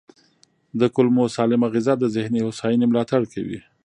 د کولمو سالمه غذا د ذهني هوساینې ملاتړ کوي.